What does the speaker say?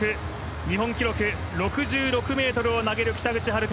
日本記録、６６ｍを投げる北口榛花。